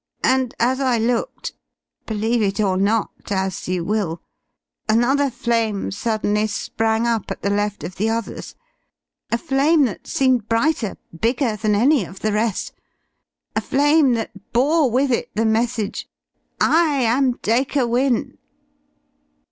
And as I looked believe it or not, as you will another flame suddenly sprang up at the left of the others, a flame that seemed brighter, bigger than any of the rest, a flame that bore with it the message: 'I am Dacre Wynne'."